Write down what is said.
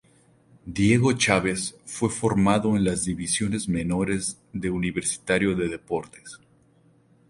Diego Chávez fue formado en las divisiones menores de Universitario de Deportes.